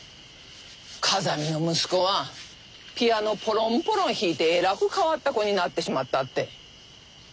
風見の息子はピアノポロンポロン弾いてえらく変わった子になってしまったって。